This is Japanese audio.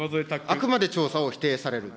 あくまで調査を否定される。